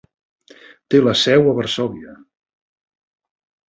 Té la seu a Varsòvia.